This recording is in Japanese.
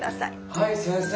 はい先生。